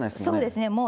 そうですね。